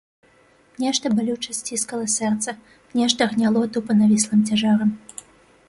Нешта балюча сціскала сэрца, нешта гняло тупа навіслым цяжарам.